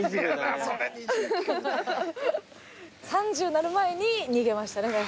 ３０になる前に逃げましたね。